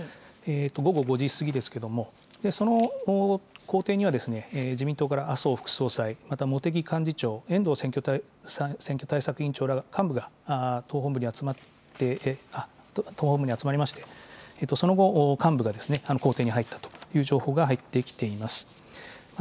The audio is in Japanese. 午後５時過ぎですけども、その公邸には、自民党から麻生副総裁、また茂木幹事長、えんどう選挙対策委員長ら幹部が党本部に集まりまして、その後、幹部が公邸に入ったという情報が入ってきています。